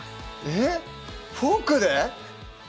えっフォークで⁉